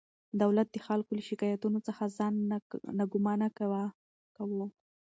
دولت د خلکو له شکایتونو څخه ځان ناګمانه کاوه.